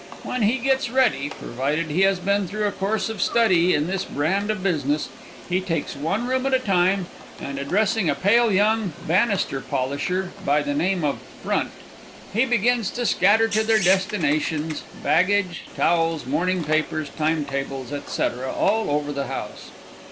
When he gets ready, provided he has been through a course of study in this brand of business, he takes one room at a time, and addressing a pale young "Banister Polisher" by the name of "Front," he begins to scatter to their destinations, baggage, towels, morning papers, time tables, etc., all over the house.